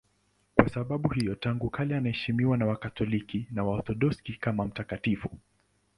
Kwa sababu hiyo tangu kale anaheshimiwa na Wakatoliki na Waorthodoksi kama mtakatifu.